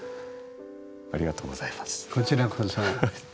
ありがとうございます。